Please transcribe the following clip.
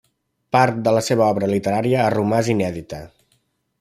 Part de la seva obra literària ha romàs inèdita.